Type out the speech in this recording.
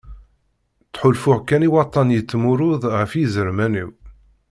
Ttḥulfuɣ kan i waṭṭan yettmurud ɣef yiẓerman-iw.